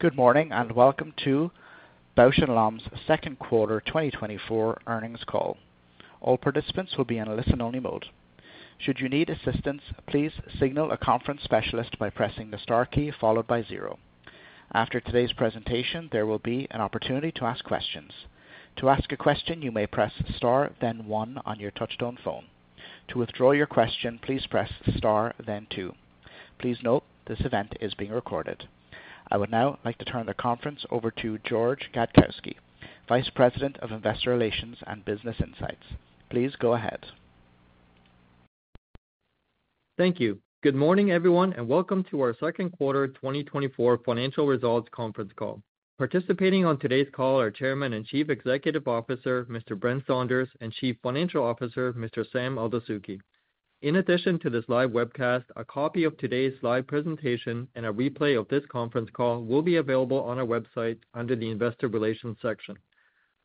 Good morning, and welcome to Bausch + Lomb's second quarter 2024 earnings call. All participants will be in a listen-only mode. Should you need assistance, please signal a conference specialist by pressing the star key followed by zero. After today's presentation, there will be an opportunity to ask questions. To ask a question, you may press star, then one on your touchtone phone. To withdraw your question, please press star, then two. Please note, this event is being recorded. I would now like to turn the conference over to George Gadkowski, Vice President of Investor Relations and Business Insights. Please go ahead. Thank you. Good morning, everyone, and welcome to our second quarter 2024 financial results conference call. Participating on today's call are Chairman and Chief Executive Officer, Mr. Brent Saunders, and Chief Financial Officer, Mr. Sam Eldessouky. In addition to this live webcast, a copy of today's live presentation and a replay of this conference call will be available on our website under the Investor Relations section.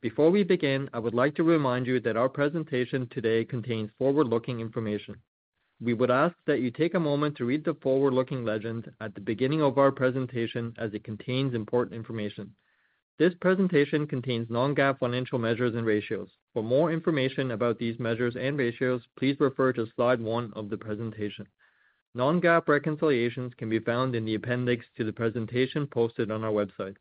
Before we begin, I would like to remind you that our presentation today contains forward-looking information. We would ask that you take a moment to read the forward-looking legend at the beginning of our presentation, as it contains important information. This presentation contains non-GAAP financial measures and ratios. For more information about these measures and ratios, please refer to Slide 1 of the presentation. Non-GAAP reconciliations can be found in the appendix to the presentation posted on our website.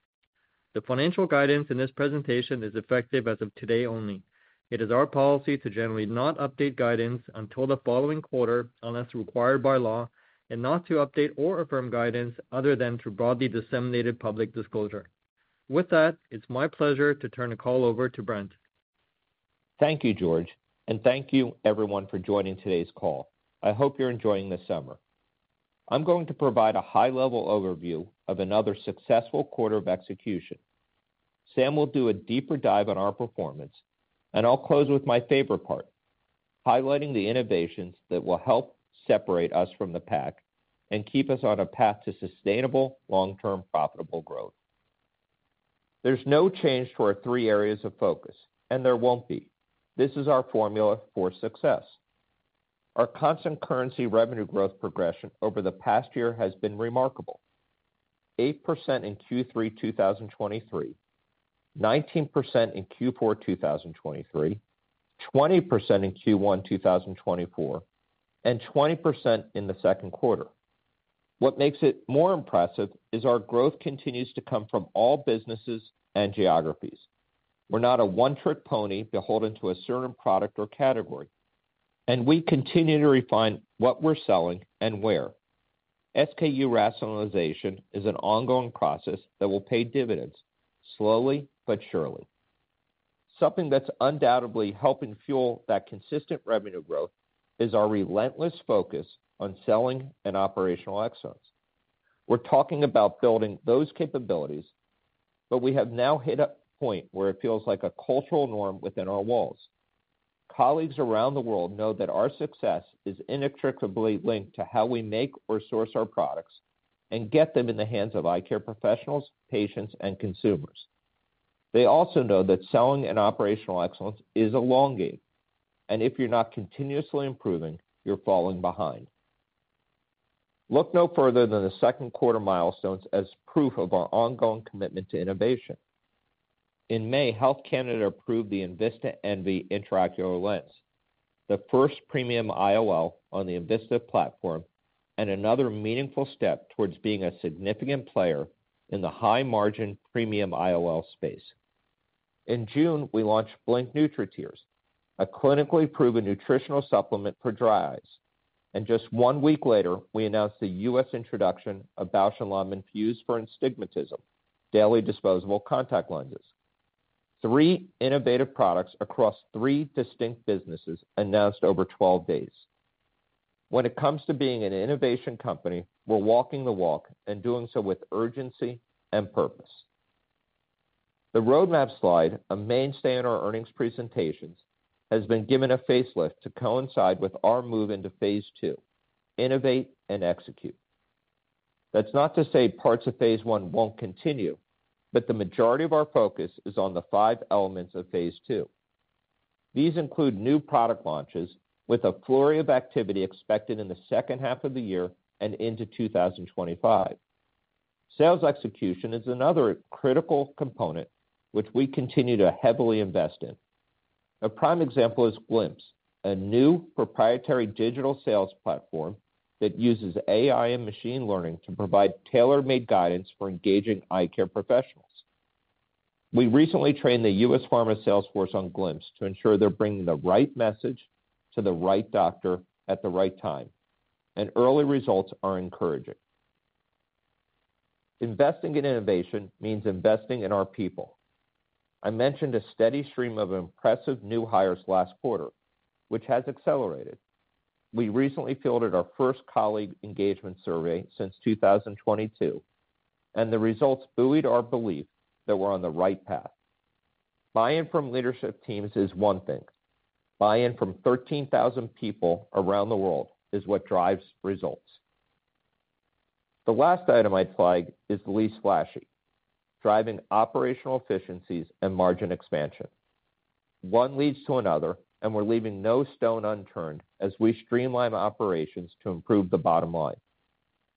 The financial guidance in this presentation is effective as of today only. It is our policy to generally not update guidance until the following quarter, unless required by law, and not to update or affirm guidance other than through broadly disseminated public disclosure. With that, it's my pleasure to turn the call over to Brent. Thank you, George, and thank you everyone for joining today's call. I hope you're enjoying this summer. I'm going to provide a high-level overview of another successful quarter of execution. Sam will do a deeper dive on our performance, and I'll close with my favorite part, highlighting the innovations that will help separate us from the pack and keep us on a path to sustainable, long-term, profitable growth. There's no change to our three areas of focus, and there won't be. This is our formula for success. Our constant currency revenue growth progression over the past year has been remarkable. 8% in Q3 2023, 19% in Q4 2023, 20% in Q1 2024, and 20% in the second quarter. What makes it more impressive is our growth continues to come from all businesses and geographies. We're not a one-trick pony beholden to a certain product or category, and we continue to refine what we're selling and where. SKU rationalization is an ongoing process that will pay dividends, slowly but surely. Something that's undoubtedly helping fuel that consistent revenue growth is our relentless focus on selling and operational excellence. We're talking about building those capabilities, but we have now hit a point where it feels like a cultural norm within our walls. Colleagues around the world know that our success is inextricably linked to how we make or source our products and get them in the hands of eye care professionals, patients, and consumers. They also know that selling and operational excellence is a long game, and if you're not continuously improving, you're falling behind. Look no further than the second quarter milestones as proof of our ongoing commitment to innovation. In May, Health Canada approved the enVista Envy intraocular lens, the first premium IOL on the enVista platform and another meaningful step towards being a significant player in the high-margin premium IOL space. In June, we launched Blink NutriTears, a clinically proven nutritional supplement for dry eyes, and just 1 week later, we announced the U.S. introduction of Bausch + Lomb INFUSE for Astigmatism, daily disposable contact lenses. 3 innovative products across 3 distinct businesses announced over 12 days. When it comes to being an innovation company, we're walking the walk and doing so with urgency and purpose. The roadmap slide, a mainstay in our earnings presentations, has been given a facelift to coincide with our move into phase 2, innovate and execute. That's not to say parts of phase 1 won't continue, but the majority of our focus is on the 5 elements of phase 2. These include new product launches with a flurry of activity expected in the second half of the year and into 2025. Sales execution is another critical component which we continue to heavily invest in. A prime example is Glimpse, a new proprietary digital sales platform that uses AI and machine learning to provide tailor-made guidance for engaging eye care professionals. We recently trained the U.S. pharma sales force on Glimpse to ensure they're bringing the right message to the right doctor at the right time, and early results are encouraging. Investing in innovation means investing in our people. I mentioned a steady stream of impressive new hires last quarter, which has accelerated. We recently fielded our first colleague engagement survey since 2022, and the results buoyed our belief that we're on the right path. Buy-in from leadership teams is one thing. Buy-in from 13,000 people around the world is what drives results. The last item I'd flag is the least flashy, driving operational efficiencies and margin expansion. One leads to another, and we're leaving no stone unturned as we streamline operations to improve the bottom line.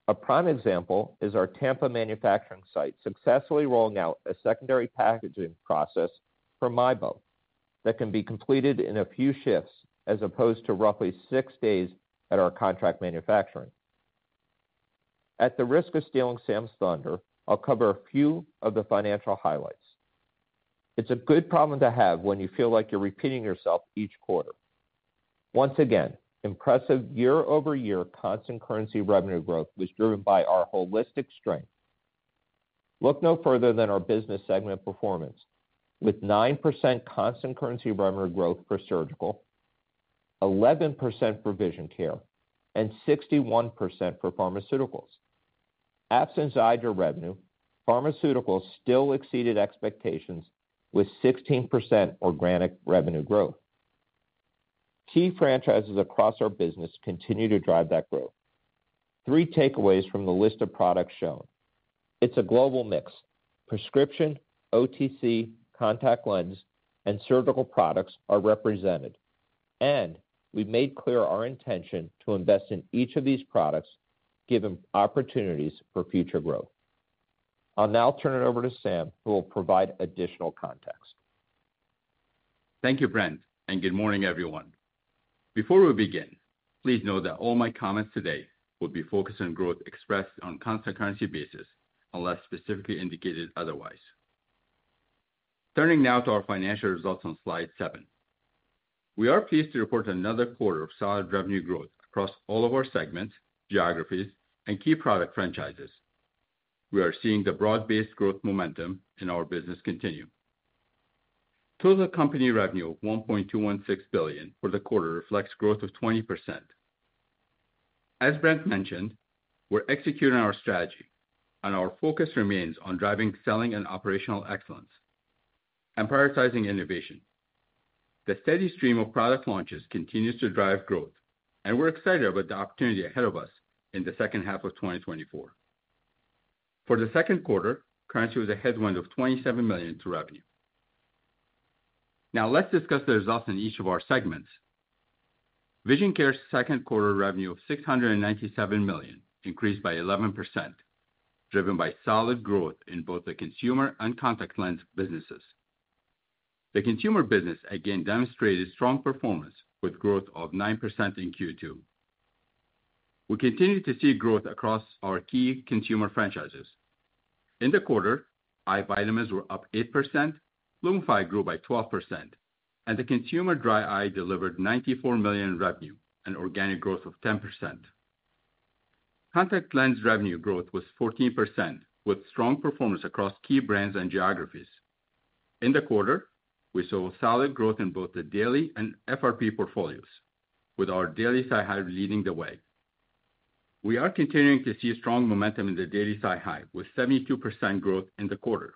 A prime example is our Tampa manufacturing site successfully rolling out a secondary packaging process for MIEBO that can be completed in a few shifts, as opposed to roughly 6 days at our contract manufacturing. At the risk of stealing Sam's thunder, I'll cover a few of the financial highlights. It's a good problem to have when you feel like you're repeating yourself each quarter. Once again, impressive year-over-year constant currency revenue growth was driven by our holistic strength. Look no further than our business segment performance, with 9% constant currency revenue growth for surgical, 11% for vision care, and 61% for pharmaceuticals. Absent ITR revenue, pharmaceuticals still exceeded expectations with 16% organic revenue growth. Key franchises across our business continue to drive that growth. Three takeaways from the list of products shown: It's a global mix. Prescription, OTC, contact lens, and surgical products are represented, and we've made clear our intention to invest in each of these products, given opportunities for future growth. I'll now turn it over to Sam, who will provide additional context. Thank you, Brent, and good morning, everyone. Before we begin, please know that all my comments today will be focused on growth expressed on constant currency basis, unless specifically indicated otherwise. Turning now to our financial results on slide 7. We are pleased to report another quarter of solid revenue growth across all of our segments, geographies, and key product franchises. We are seeing the broad-based growth momentum in our business continue. Total company revenue of $1.216 billion for the quarter reflects growth of 20%. As Brent mentioned, we're executing our strategy, and our focus remains on driving, selling, and operational excellence, and prioritizing innovation. The steady stream of product launches continues to drive growth, and we're excited about the opportunity ahead of us in the second half of 2024. For the second quarter, currency was a headwind of $27 million to revenue. Now, let's discuss the results in each of our segments. Vision Care's second quarter revenue of $697 million increased by 11%, driven by solid growth in both the consumer and contact lens businesses. The consumer business again demonstrated strong performance, with growth of 9% in Q2. We continued to see growth across our key consumer franchises. In the quarter, eye vitamins were up 8%, LUMIFY grew by 12%, and the consumer dry eye delivered $94 million in revenue and organic growth of 10%. Contact lens revenue growth was 14%, with strong performance across key brands and geographies. In the quarter, we saw solid growth in both the daily and FRP portfolios, with our daily SiHy leading the way. We are continuing to see strong momentum in the daily SiHy, with 72% growth in the quarter.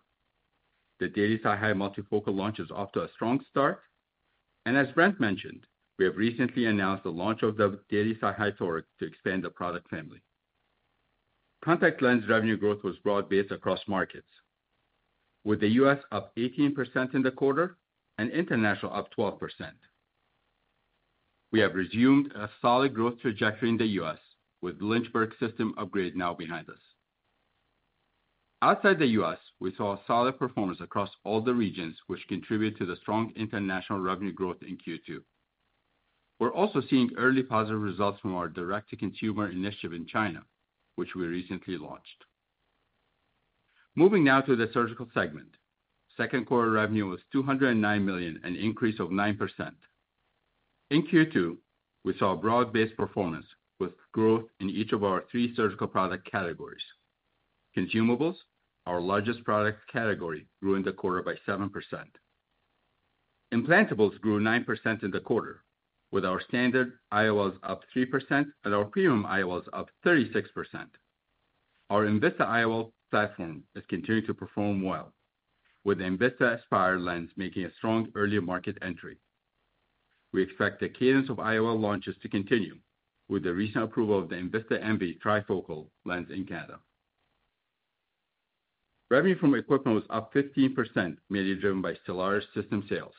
The daily SiHy multifocal launch is off to a strong start, and as Brent mentioned, we have recently announced the launch of the daily SiHy Toric to expand the product family. Contact lens revenue growth was broad-based across markets, with the U.S. up 18% in the quarter and international up 12%. We have resumed a solid growth trajectory in the U.S., with Lynchburg system upgrade now behind us. Outside the U.S., we saw a solid performance across all the regions, which contributed to the strong international revenue growth in Q2. We're also seeing early positive results from our direct-to-consumer initiative in China, which we recently launched. Moving now to the surgical segment. Second quarter revenue was $209 million, an increase of 9%. In Q2, we saw broad-based performance with growth in each of our three surgical product categories. Consumables, our largest product category, grew in the quarter by 7%. Implantables grew 9% in the quarter, with our standard IOLs up 3% and our premium IOLs up 36%. Our enVista IOL platform is continuing to perform well, with the enVista Aspire lens making a strong early market entry. We expect the cadence of IOL launches to continue with the recent approval of the enVista Envy trifocal lens in Canada. Revenue from equipment was up 15%, mainly driven by Stellaris system sales.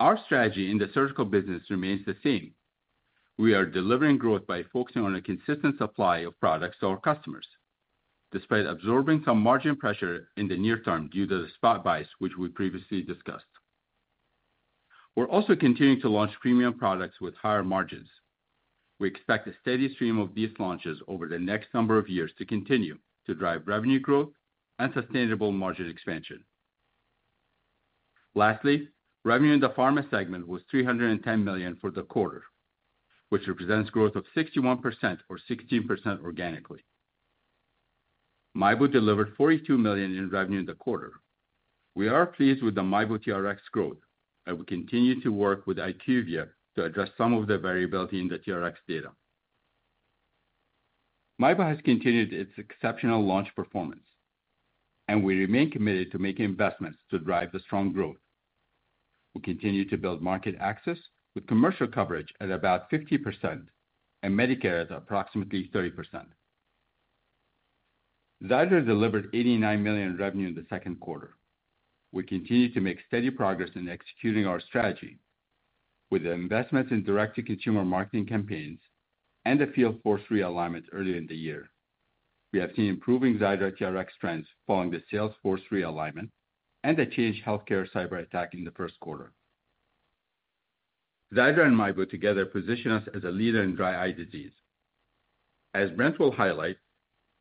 Our strategy in the surgical business remains the same. We are delivering growth by focusing on a consistent supply of products to our customers, despite absorbing some margin pressure in the near term due to the spot buys, which we previously discussed. We're also continuing to launch premium products with higher margins. We expect a steady stream of these launches over the next number of years to continue to drive revenue growth and sustainable margin expansion. Lastly, revenue in the pharma segment was $310 million for the quarter, which represents growth of 61% or 16% organically. MIEBO delivered $42 million in revenue in the quarter. We are pleased with the MIEBO TRX growth, and we continue to work with IQVIA to address some of the variability in the TRX data. MIEBO has continued its exceptional launch performance, and we remain committed to making investments to drive the strong growth. We continue to build market access with commercial coverage at about 50% and Medicare at approximately 30%. Xiidra delivered $89 million in revenue in the second quarter. We continue to make steady progress in executing our strategy with the investments in Direct-to-Consumer marketing campaigns and the field force realignment earlier in the year. We have seen improving Xiidra TRX trends following the sales force realignment and a Change Healthcare cyberattack in the first quarter. Xiidra and MIEBO together position us as a leader in dry eye disease. As Brent will highlight,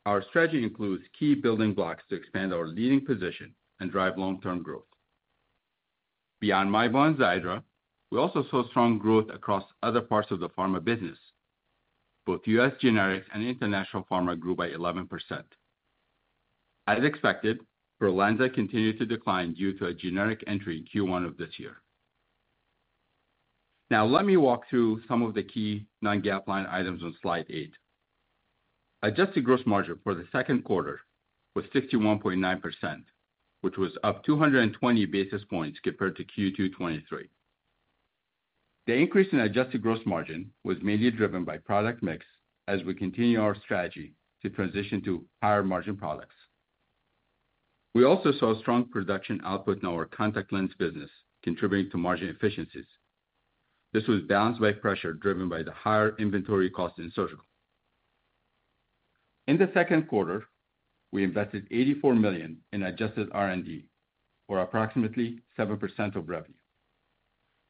our strategy includes key building blocks to expand our leading position and drive long-term growth. Beyond MIEBO and Xiidra, we also saw strong growth across other parts of the pharma business. Both US generics and international pharma grew by 11%. As expected, PROLENSA continued to decline due to a generic entry in Q1 of this year. Now, let me walk through some of the key non-GAAP line items on slide 8. Adjusted gross margin for the second quarter was 61.9%, which was up 220 basis points compared to Q2 2023. The increase in adjusted gross margin was mainly driven by product mix as we continue our strategy to transition to higher-margin products. We also saw strong production output in our contact lens business, contributing to margin efficiencies. This was balanced by pressure driven by the higher inventory costs in surgical. In the second quarter, we invested $84 million in adjusted R&D, or approximately 7% of revenue.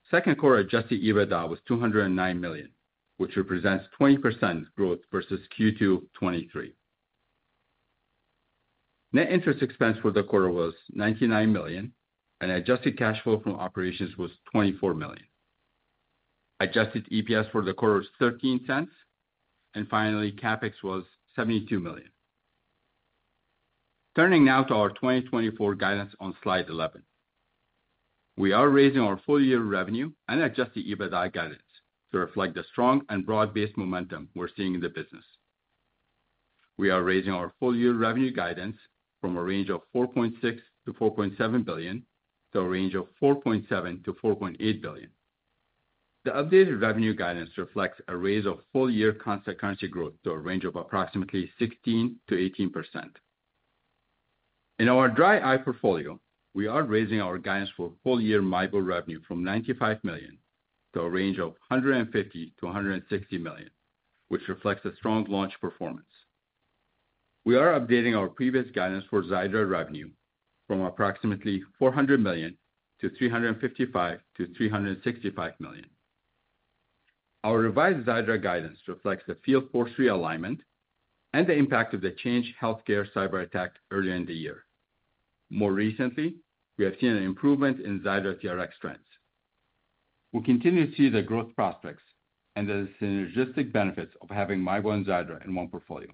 Second quarter adjusted EBITDA was $209 million, which represents 20% growth versus Q2 2023. Net interest expense for the quarter was $99 million, and adjusted cash flow from operations was $24 million. Adjusted EPS for the quarter was $0.13, and finally, CapEx was $72 million. Turning now to our 2024 guidance on Slide 11. We are raising our full-year revenue and adjusted EBITDA guidance to reflect the strong and broad-based momentum we're seeing in the business. We are raising our full-year revenue guidance from a range of $4.6 billion-$4.7 billion to a range of $4.7 billion-$4.8 billion. The updated revenue guidance reflects a raise of full-year constant currency growth to a range of approximately 16%-18%. In our dry eye portfolio, we are raising our guidance for full-year MIEBO revenue from $95 million to a range of $150 million-$160 million, which reflects a strong launch performance. We are updating our previous guidance for Xiidra revenue from approximately $400 million to $355 million-$365 million. Our revised Xiidra guidance reflects the field force realignment and the impact of the Change Healthcare cyberattack earlier in the year. More recently, we have seen an improvement in Xiidra TRX trends. We continue to see the growth prospects and the synergistic benefits of having MIEBO and Xiidra in one portfolio.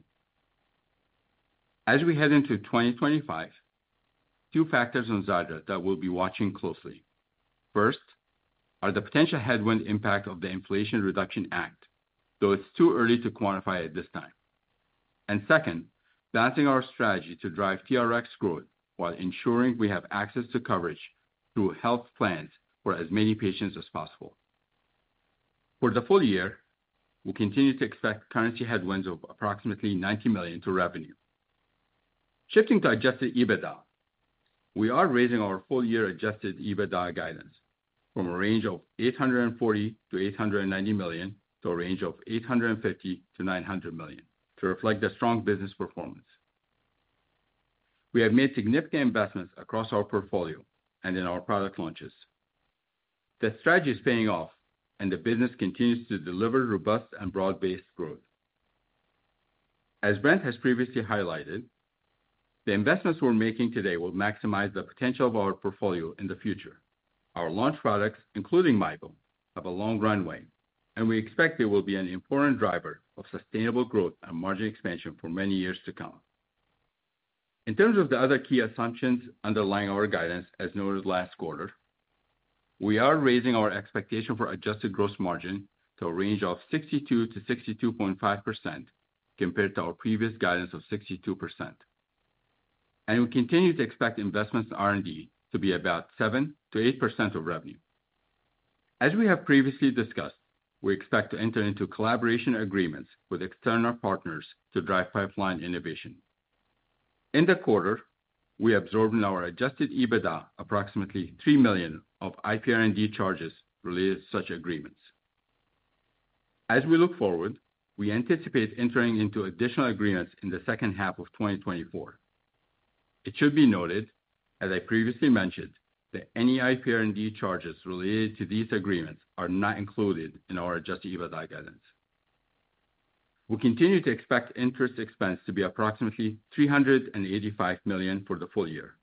As we head into 2025, two factors in Xiidra that we'll be watching closely. First, are the potential headwind impact of the Inflation Reduction Act, though it's too early to quantify at this time. And second, balancing our strategy to drive TRX growth while ensuring we have access to coverage through health plans for as many patients as possible. For the full year, we continue to expect currency headwinds of approximately $90 million to revenue. Shifting to Adjusted EBITDA, we are raising our full-year Adjusted EBITDA guidance from a range of $840-$890 million to a range of $850-$900 million, to reflect the strong business performance. We have made significant investments across our portfolio and in our product launches. The strategy is paying off, and the business continues to deliver robust and broad-based growth. As Brent has previously highlighted, the investments we're making today will maximize the potential of our portfolio in the future. Our launch products, including MIEBO, have a long runway, and we expect it will be an important driver of sustainable growth and margin expansion for many years to come. In terms of the other key assumptions underlying our guidance, as noted last quarter, we are raising our expectation for adjusted gross margin to a range of 62%-62.5%, compared to our previous guidance of 62%. We continue to expect investments in R&D to be about 7%-8% of revenue. As we have previously discussed, we expect to enter into collaboration agreements with external partners to drive pipeline innovation. In the quarter, we absorbed in our adjusted EBITDA approximately $3 million of IPR&D charges related to such agreements. As we look forward, we anticipate entering into additional agreements in the second half of 2024. It should be noted, as I previously mentioned, that any IPR&D charges related to these agreements are not included in our adjusted EBITDA guidance. We continue to expect interest expense to be approximately $385 million for the full year.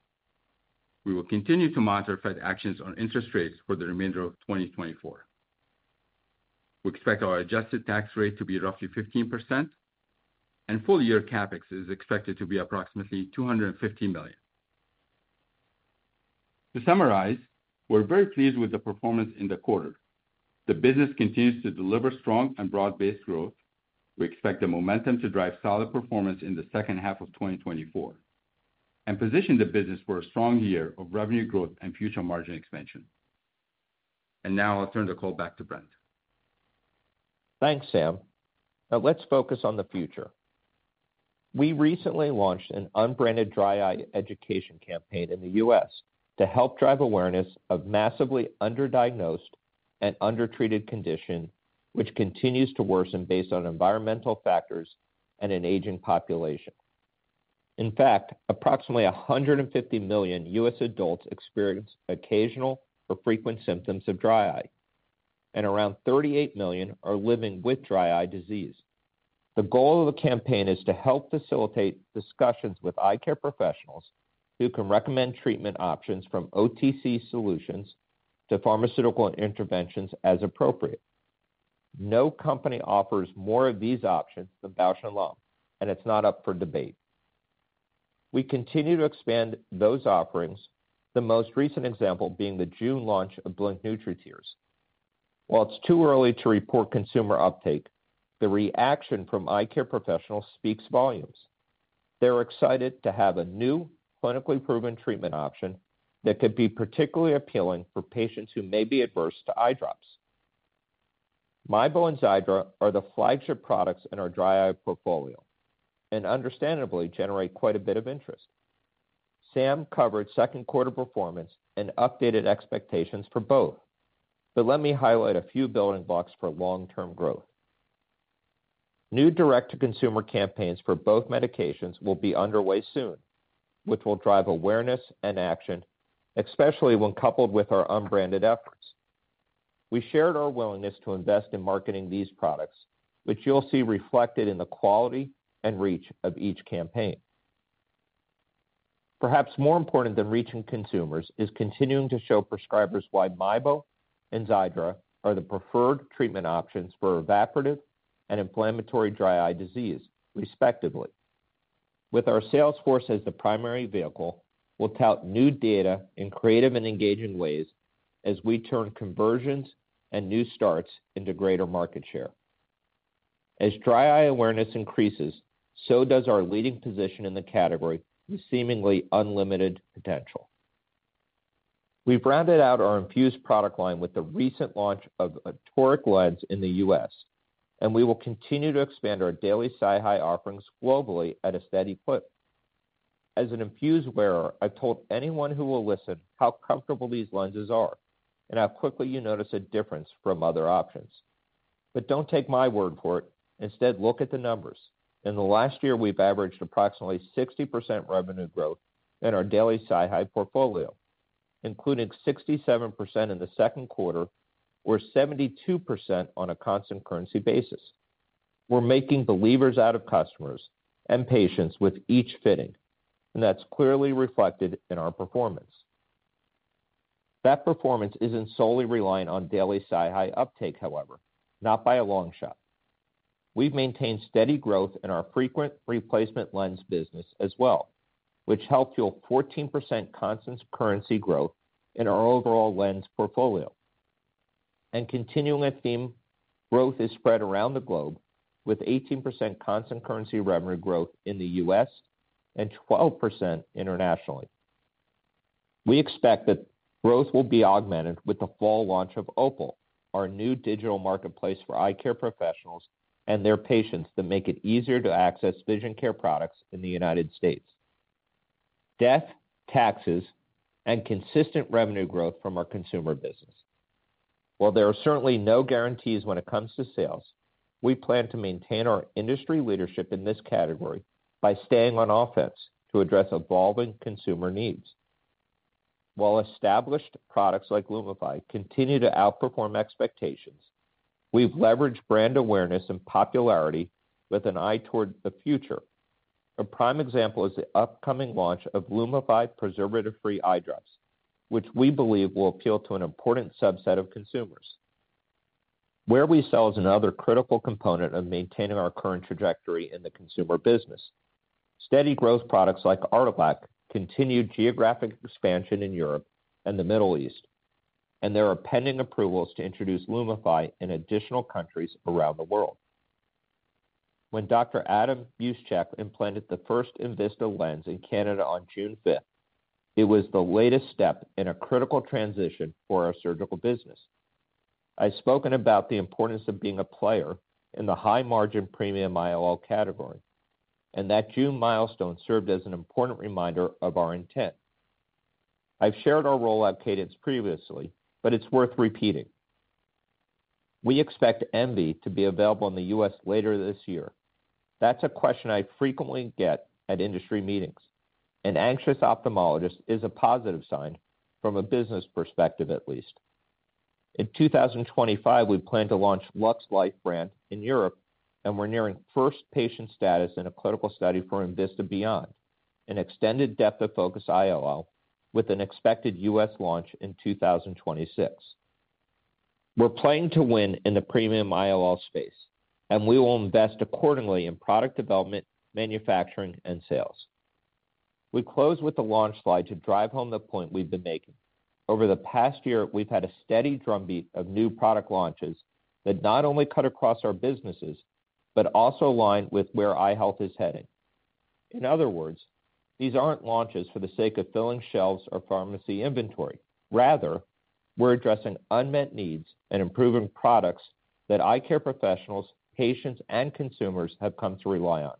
We will continue to monitor Fed actions on interest rates for the remainder of 2024. We expect our adjusted tax rate to be roughly 15%, and full-year CapEx is expected to be approximately $250 million. To summarize, we're very pleased with the performance in the quarter. The business continues to deliver strong and broad-based growth. We expect the momentum to drive solid performance in the second half of 2024 and position the business for a strong year of revenue growth and future margin expansion. And now I'll turn the call back to Brent.... Thanks, Sam. Now let's focus on the future. We recently launched an unbranded dry eye education campaign in the US to help drive awareness of massively underdiagnosed and undertreated condition, which continues to worsen based on environmental factors and an aging population. In fact, approximately 150 million US adults experience occasional or frequent symptoms of dry eye, and around 38 million are living with dry eye disease. The goal of the campaign is to help facilitate discussions with eye care professionals, who can recommend treatment options from OTC solutions to pharmaceutical interventions as appropriate. No company offers more of these options than Bausch + Lomb, and it's not up for debate. We continue to expand those offerings, the most recent example being the June launch of Blink NutriTears. While it's too early to report consumer uptake, the reaction from eye care professionals speaks volumes. They're excited to have a new, clinically proven treatment option that could be particularly appealing for patients who may be adverse to eye drops. MIEBO and Xiidra are the flagship products in our dry eye portfolio and understandably generate quite a bit of interest. Sam covered second quarter performance and updated expectations for both, but let me highlight a few building blocks for long-term growth. New direct-to-consumer campaigns for both medications will be underway soon, which will drive awareness and action, especially when coupled with our unbranded efforts. We shared our willingness to invest in marketing these products, which you'll see reflected in the quality and reach of each campaign. Perhaps more important than reaching consumers is continuing to show prescribers why MIEBO and Xiidra are the preferred treatment options for evaporative and inflammatory dry eye disease, respectively. With our sales force as the primary vehicle, we'll tout new data in creative and engaging ways as we turn conversions and new starts into greater market share. As dry eye awareness increases, so does our leading position in the category with seemingly unlimited potential. We've rounded out our INFUSE product line with the recent launch of a toric lens in the U.S., and we will continue to expand our Daily SiHy offerings globally at a steady foot. As an INFUSE wearer, I've told anyone who will listen how comfortable these lenses are and how quickly you notice a difference from other options. But don't take my word for it. Instead, look at the numbers. In the last year, we've averaged approximately 60% revenue growth in our Daily SiHy portfolio, including 67% in the second quarter, or 72% on a constant currency basis. We're making believers out of customers and patients with each fitting, and that's clearly reflected in our performance. That performance isn't solely reliant on daily SiHy uptake, however, not by a long shot. We've maintained steady growth in our frequent replacement lens business as well, which helped fuel 14% constant currency growth in our overall lens portfolio. And continuing a theme, growth is spread around the globe, with 18% constant currency revenue growth in the U.S. and 12% internationally. We expect that growth will be augmented with the fall launch of Opal, our new digital marketplace for eye care professionals and their patients to make it easier to access vision care products in the United States. Death, taxes, and consistent revenue growth from our consumer business. While there are certainly no guarantees when it comes to sales, we plan to maintain our industry leadership in this category by staying on offense to address evolving consumer needs. While established products like LUMIFY continue to outperform expectations, we've leveraged brand awareness and popularity with an eye toward the future. A prime example is the upcoming launch of LUMIFY preservative-free eye drops, which we believe will appeal to an important subset of consumers. Where we sell is another critical component of maintaining our current trajectory in the consumer business. Steady growth products like Artelac continued geographic expansion in Europe and the Middle East, and there are pending approvals to introduce LUMIFY in additional countries around the world. When Dr. Adam Muzychuk implanted the first enVista lens in Canada on June fifth, it was the latest step in a critical transition for our surgical business. I've spoken about the importance of being a player in the high-margin premium IOL category, and that June milestone served as an important reminder of our intent. I've shared our rollout cadence previously, but it's worth repeating. We expect Envy to be available in the U.S. later this year. That's a question I frequently get at industry meetings. An anxious ophthalmologist is a positive sign from a business perspective, at least. In 2025, we plan to launch Luxlight brand in Europe, and we're nearing first patient status in a clinical study for enVista Beyond, an extended depth of focus IOL, with an expected U.S. launch in 2026. We're playing to win in the premium IOL space, and we will invest accordingly in product development, manufacturing, and sales. We close with the launch slide to drive home the point we've been making. Over the past year, we've had a steady drumbeat of new product launches that not only cut across our businesses, but also align with where eye health is headed. In other words, these aren't launches for the sake of filling shelves or pharmacy inventory. Rather, we're addressing unmet needs and improving products that eye care professionals, patients, and consumers have come to rely on.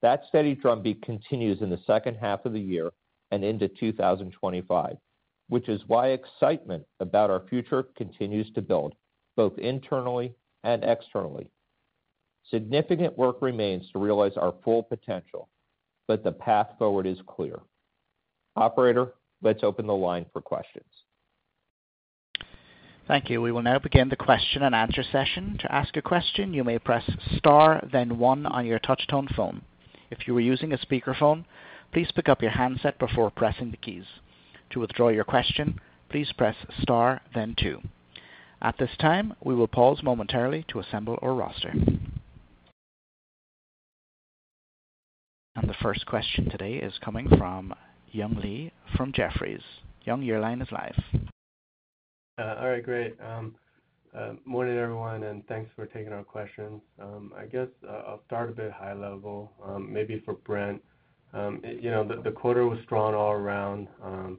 That steady drumbeat continues in the second half of the year and into 2025, which is why excitement about our future continues to build, both internally and externally. Significant work remains to realize our full potential, but the path forward is clear. Operator, let's open the line for questions. Thank you. We will now begin the question and answer session. To ask a question, you may press Star, then One on your touchtone phone. If you are using a speakerphone, please pick up your handset before pressing the keys. To withdraw your question, please press Star then Two. At this time, we will pause momentarily to assemble our roster. The first question today is coming from Young Li from Jefferies. Young, your line is live. All right, great. Morning, everyone, and thanks for taking our questions. I guess I'll start a bit high level, maybe for Brent. You know, the quarter was strong all around,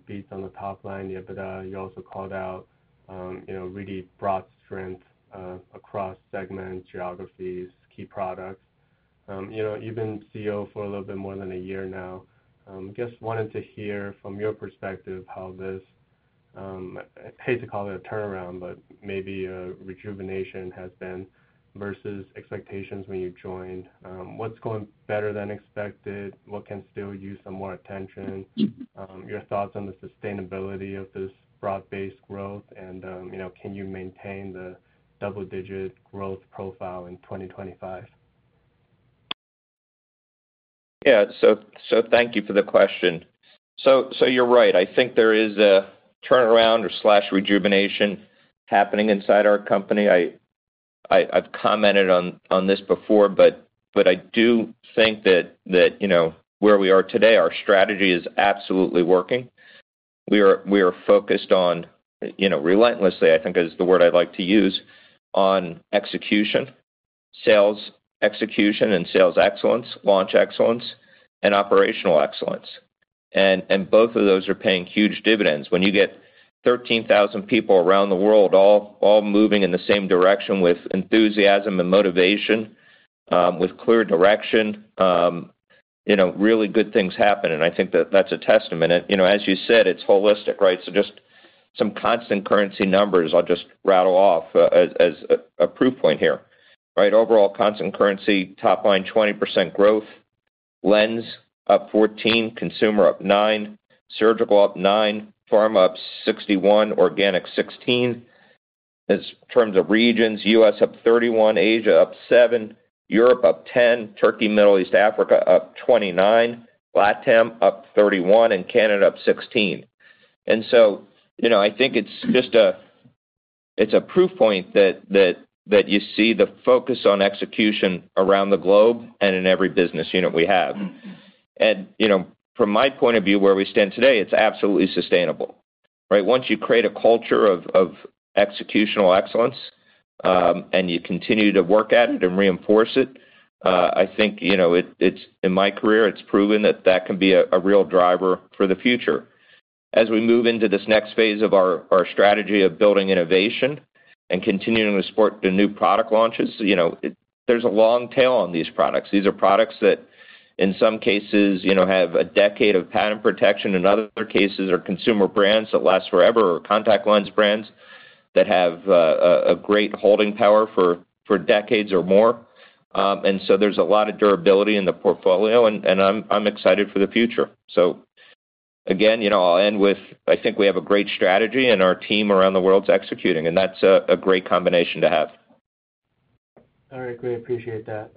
beats on the top line, the EBITDA. You also called out, you know, really broad strength across segments, geographies, key products. You know, you've been CEO for a little bit more than a year now. Just wanted to hear from your perspective how this, I hate to call it a turnaround, but maybe a rejuvenation has been versus expectations when you joined. What's going better than expected? What can still use some more attention? Your thoughts on the sustainability of this broad-based growth, and, you know, can you maintain the double-digit growth profile in 2025? Yeah, so thank you for the question. So you're right. I think there is a turnaround or slash rejuvenation happening inside our company. I've commented on this before, but I do think that, you know, where we are today, our strategy is absolutely working. We are focused on, you know, relentlessly, I think, is the word I'd like to use, on execution, sales execution and sales excellence, launch excellence, and operational excellence. And both of those are paying huge dividends. When you get 13,000 people around the world, all moving in the same direction with enthusiasm and motivation, with clear direction, you know, really good things happen, and I think that that's a testament. And, you know, as you said, it's holistic, right? So just some constant currency numbers I'll just rattle off, as a proof point here, right? Overall, constant currency, top line, 20% growth, lens up 14, consumer up 9, surgical up 9, pharma up 61, organic 16. In terms of regions, US up 31, Asia up 7, Europe up 10, Turkey, Middle East, Africa up 29, LATAM up 31, and Canada up 16. And so, you know, I think it's just a—it's a proof point that you see the focus on execution around the globe and in every business unit we have. And, you know, from my point of view, where we stand today, it's absolutely sustainable, right? Once you create a culture of executional excellence, and you continue to work at it and reinforce it, I think, you know, it's, in my career, it's proven that that can be a real driver for the future. As we move into this next phase of our strategy of building innovation and continuing to support the new product launches, you know, there's a long tail on these products. These are products that, in some cases, you know, have a decade of patent protection, in other cases, are consumer brands that last forever, or contact lens brands that have a great holding power for decades or more. And so there's a lot of durability in the portfolio, and I'm excited for the future. So again, you know, I'll end with, I think we have a great strategy, and our team around the world is executing, and that's a great combination to have. All right, great. Appreciate that.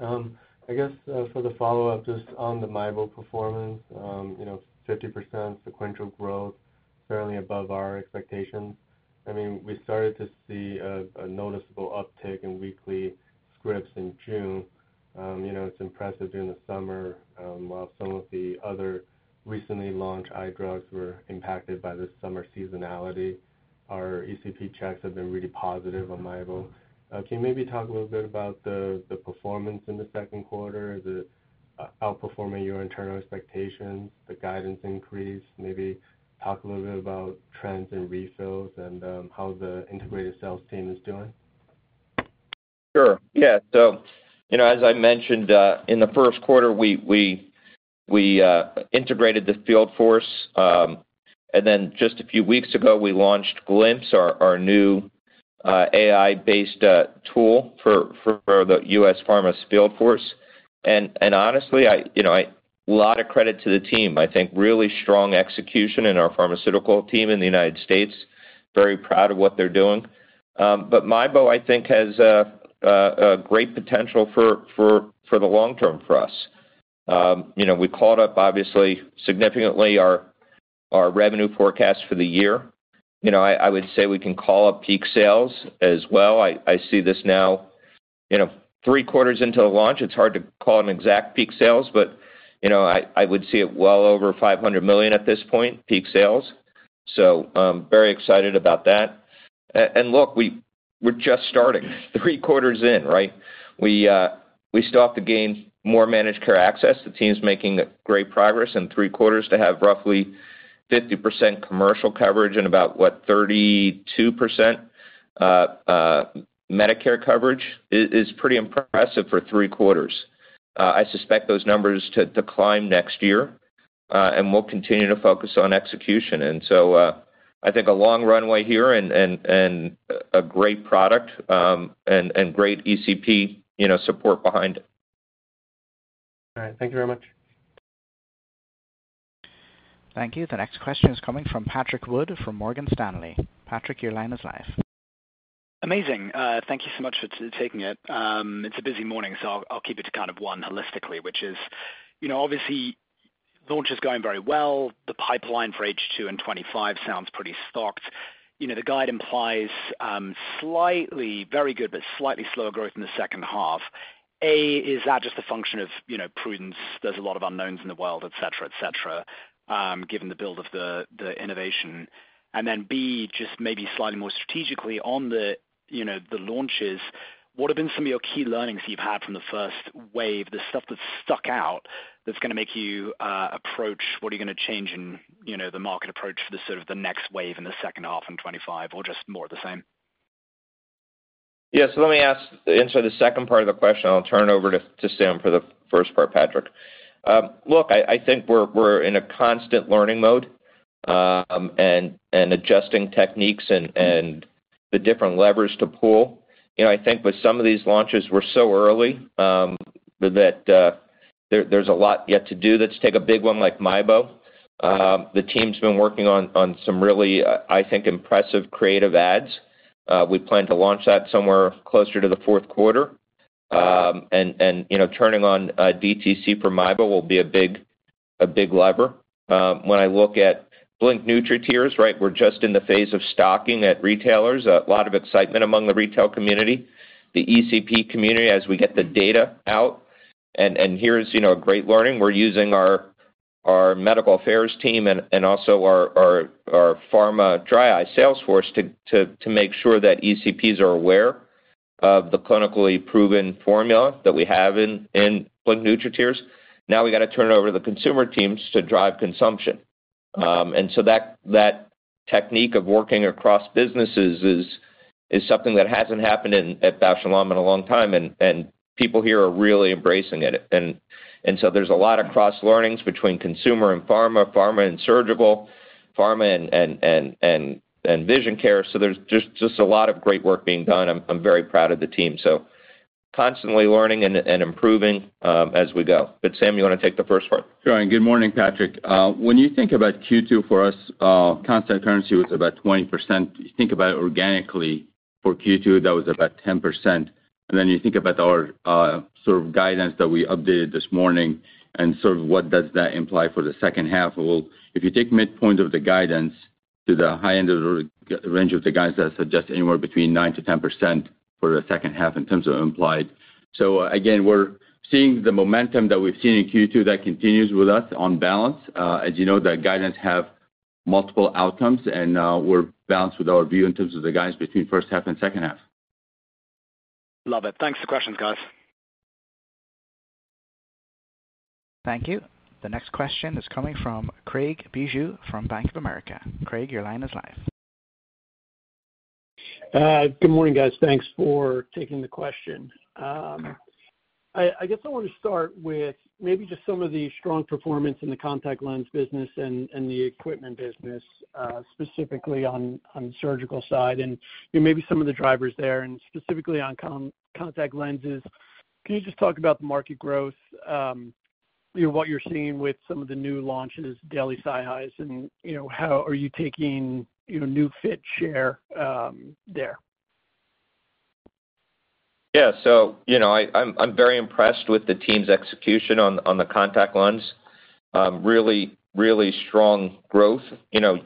I guess, for the follow-up, just on the MIEBO performance, you know, 50% sequential growth, fairly above our expectations. I mean, we started to see a noticeable uptick in weekly scripts in June. You know, it's impressive during the summer, while some of the other recently launched eye drugs were impacted by the summer seasonality. Our ECP checks have been really positive on MIEBO. Can you maybe talk a little bit about the performance in the second quarter, is it outperforming your internal expectations, the guidance increase? Maybe talk a little bit about trends in refills and, how the integrated sales team is doing. Sure. Yeah. So, you know, as I mentioned, in the first quarter, we integrated the field force. And then just a few weeks ago, we launched Glimpse, our new AI-based tool for the US pharma field force. And honestly, I, you know, I... A lot of credit to the team. I think really strong execution in our pharmaceutical team in the United States. Very proud of what they're doing. But MIEBO, I think, has a great potential for the long term for us. You know, we called up, obviously, significantly our revenue forecast for the year. You know, I would say we can call up peak sales as well. I see this now, you know, three quarters into the launch. It's hard to call an exact peak sales, but, you know, I would see it well over $500 million at this point, peak sales. So, very excited about that. And look, we're just starting, three quarters in, right? We still have to gain more managed care access. The team's making great progress in three quarters to have roughly 50% commercial coverage and about, what, 32%, Medicare coverage is pretty impressive for three quarters. I suspect those numbers to climb next year, and we'll continue to focus on execution. And so, I think a long runway here and a great product, and great ECP, you know, support behind it. All right. Thank you very much. Thank you. The next question is coming from Patrick Wood, from Morgan Stanley. Patrick, your line is live. Amazing. Thank you so much for taking it. It's a busy morning, so I'll keep it to kind of one holistically, which is, you know, obviously, launch is going very well. The pipeline for H2 and 2025 sounds pretty stocked. You know, the guide implies slightly very good, but slightly slower growth in the second half. Is that just a function of, you know, prudence, there are a lot of unknowns in the world, et cetera, et cetera, given the build of the innovation? And then, B, just maybe slightly more strategically on the, you know, the launches, what have been some of your key learnings you've had from the first wave, the stuff that's stuck out, that's gonna make you approach. What are you gonna change in, you know, the market approach for the sort of the next wave in the second half in 2025, or just more of the same? Yeah. So let me ask, answer the second part of the question. I'll turn it over to Sam for the first part, Patrick. Look, I think we're in a constant learning mode, and adjusting techniques and the different levers to pull. You know, I think with some of these launches, we're so early that there's a lot yet to do. Let's take a big one like MIEBO. The team's been working on some really, I think, impressive creative ads. We plan to launch that somewhere closer to the fourth quarter. And, you know, turning on DTC for MIEBO will be a big lever. When I look at Blink NutriTears, right, we're just in the phase of stocking at retailers. A lot of excitement among the retail community, the ECP community, as we get the data out. And here's, you know, a great learning. We're using our medical affairs team and also our pharma dry eye sales force to make sure that ECPs are aware of the clinically proven formula that we have in Blink NutriTears. Now, we gotta turn it over to the consumer teams to drive consumption. And so that technique of working across businesses is something that hasn't happened in at Bausch + Lomb in a long time, and people here are really embracing it. And so there's a lot of cross-learnings between consumer and pharma, pharma and surgical, pharma and vision care. So there's just a lot of great work being done. I'm very proud of the team. So constantly learning and improving as we go. But Sam, you want to take the first part? Sure, and good morning, Patrick. When you think about Q2 for us, constant currency was about 20%. You think about it organically for Q2, that was about 10%. And then you think about our, sort of guidance that we updated this morning, and sort of what does that imply for the second half? Well, if you take midpoint of the guidance to the high end of the range of the guidance, that suggests anywhere between 9%-10% for the second half in terms of implied. So again, we're seeing the momentum that we've seen in Q2 that continues with us on balance. As you know, that guidance have multiple outcomes, and, we're balanced with our view in terms of the guidance between first half and second half. Love it. Thanks for the questions, guys. Thank you. The next question is coming from Craig Bijou from Bank of America. Craig, your line is live. Good morning, guys. Thanks for taking the question. I guess I want to start with maybe just some of the strong performance in the contact lens business and the equipment business, specifically on the surgical side, and, you know, maybe some of the drivers there, and specifically on contact lenses. Can you just talk about the market growth, you know, what you're seeing with some of the new launches, daily SiHys, and, you know, how are you takng fit share there? Yeah. So, you know, I'm very impressed with the team's execution on the contact lens. Really, really strong growth, you know,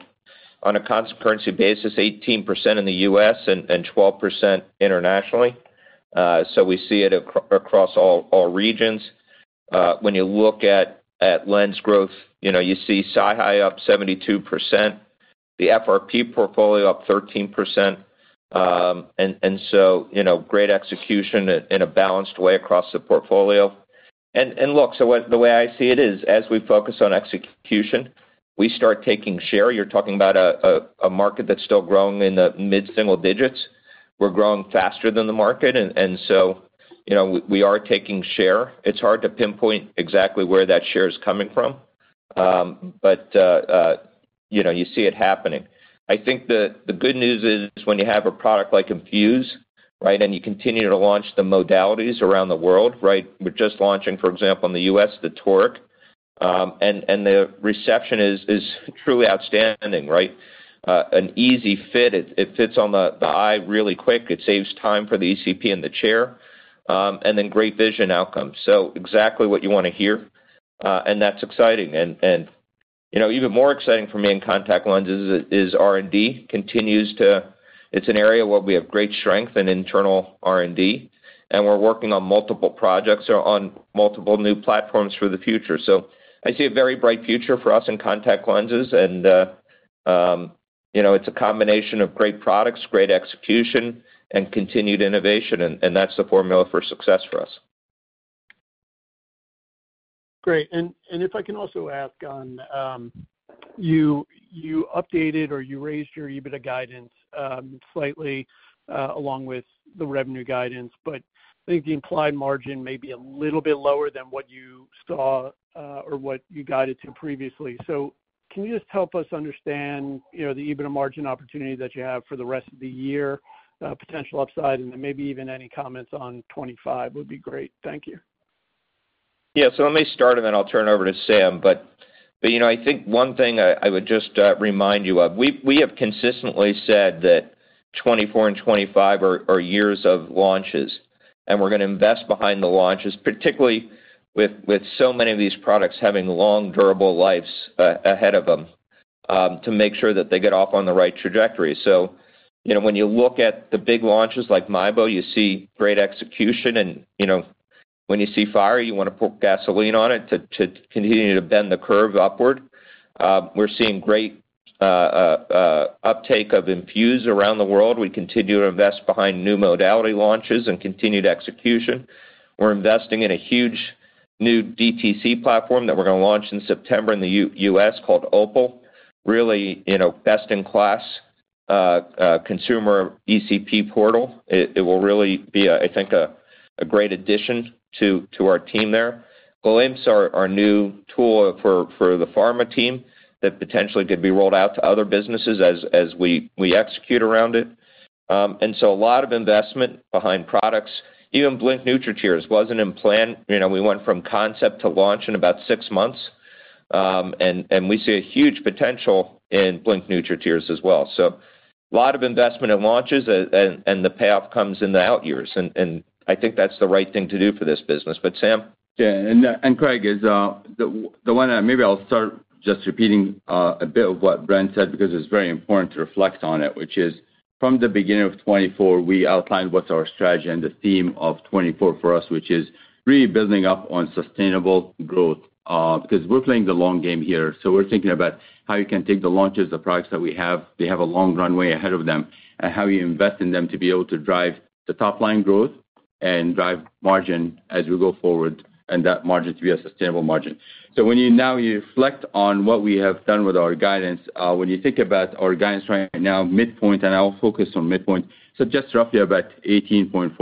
on a constant currency basis, 18% in the US and 12% internationally. So we see it across all regions. When you look at lens growth, you know, you see SiHy up 72%, the FRP portfolio up 13%, and so, you know, great execution in a balanced way across the portfolio. And look, so the way I see it is, as we focus on execution, we start taking share. You're talking about a market that's still growing in the mid-single digits. We're growing faster than the market, and so, you know, we are taking share. It's hard to pinpoint exactly where that share is coming from, but you know, you see it happening. I think the good news is, when you have a product like INFUSE, right, and you continue to launch the modalities around the world, right? We're just launching, for example, in the U.S., the toric. And the reception is truly outstanding, right? An easy fit. It fits on the eye really quick. It saves time for the ECP in the chair, and then great vision outcomes. So exactly what you want to hear, and that's exciting. And, you know, even more exciting for me in contact lenses is R&D continues to. It's an area where we have great strength in internal R&D, and we're working on multiple projects on multiple new platforms for the future. So I see a very bright future for us in contact lenses, and... You know, it's a combination of great products, great execution, and continued innovation, and that's the formula for success for us. Great. And if I can also ask on, you updated or you raised your EBITDA guidance, slightly, along with the revenue guidance, but I think the implied margin may be a little bit lower than what you saw, or what you guided to previously. So can you just help us understand, you know, the EBITDA margin opportunity that you have for the rest of the year, potential upside, and then maybe even any comments on 2025 would be great. Thank you. Yeah. So let me start, and then I'll turn it over to Sam. But you know, I think one thing I would just remind you of: we have consistently said that 2024 and 2025 are years of launches, and we're gonna invest behind the launches, particularly with so many of these products having long, durable lives ahead of them, to make sure that they get off on the right trajectory. So, you know, when you look at the big launches like MIEBO, you see great execution, and, you know, when you see fire, you wanna put gasoline on it to continue to bend the curve upward. We're seeing great uptake of INFUSE around the world. We continue to invest behind new modality launches and continued execution. We're investing in a huge new DTC platform that we're gonna launch in September in the US, called Opal. Really, you know, best-in-class consumer ECP portal. It will really be, I think, a great addition to our team there. Glimpse, our new tool for the pharma team, that potentially could be rolled out to other businesses as we execute around it. And so a lot of investment behind products. Even Blink NutriTears wasn't in plan. You know, we went from concept to launch in about six months. And we see a huge potential in Blink NutriTears as well. So a lot of investment in launches, and the payoff comes in the out years. And I think that's the right thing to do for this business. But Sam? Yeah, and Craig is the one. Maybe I'll start just repeating a bit of what Brent said, because it's very important to reflect on it, which is, from the beginning of 2024, we outlined what's our strategy and the theme of 2024 for us, which is really building up on sustainable growth. Because we're playing the long game here, so we're thinking about how you can take the launches of products that we have, they have a long runway ahead of them, and how you invest in them to be able to drive the top-line growth and drive margin as we go forward, and that margin to be a sustainable margin. So when you now reflect on what we have done with our guidance, when you think about our guidance right now, midpoint, and I'll focus on midpoint, so just roughly about 18.4%